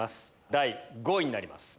第５位になります。